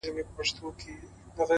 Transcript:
زلفي راټال سي گراني ;